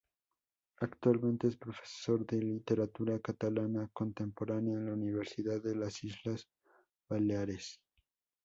Actualmente es profesor de literatura catalana contemporánea en la Universidad de las Islas Baleares.